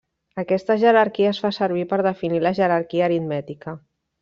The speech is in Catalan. Aquesta jerarquia es fa servir per definir la jerarquia aritmètica.